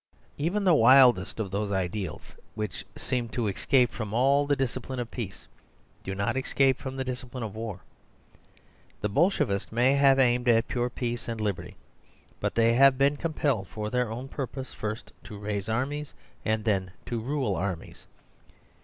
Even the wildest of those ideals, which seem to escape from all the discipline of peace, do not escape from the discipline of war. The Bolshevists may have aimed at pure peace and liberty; but they have been compelled, for their own purpose, first to raise armies and then to rule armies.